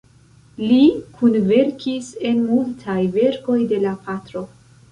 Li kunverkis en multaj verkoj de la patro.